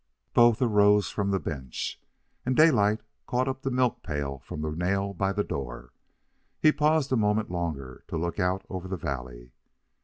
Both arose from the bench, and Daylight caught up the milk pail from the nail by the door. He paused a moment longer to look out over the valley.